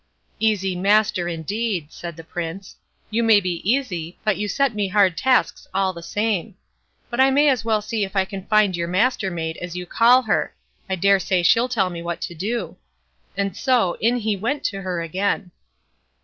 "Easy master, indeed!" said the Prince. "You may be easy, but you set me hard tasks all the same. But I may as well see if I can find your Mastermaid, as you call her. I daresay she'll tell me what to do"; and so in he went to her again.